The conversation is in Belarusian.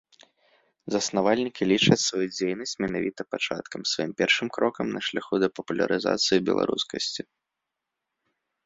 Заснавальнікі лічаць сваю дзейнасць менавіта пачаткам, сваім першым крокам на шляху да папулярызацыі беларускасці.